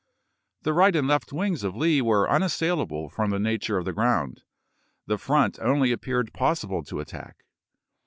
The right and left wings of Lee were unassailable from the nature of the ground ; the front only appeared possible to attack.